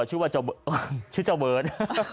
ชื่อว่าเจ้าเบิร์ด